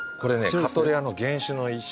カトレアの原種の一種。